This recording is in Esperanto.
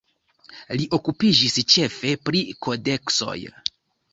Li okupiĝis ĉefe pri kodeksoj.